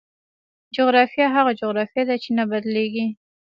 جغرافیه هغه جغرافیه ده چې نه بدلېږي.